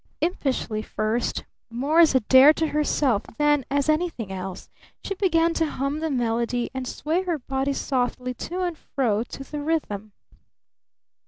Impishly first, more as a dare to herself than as anything else, she began to hum the melody and sway her body softly to and fro to the rhythm.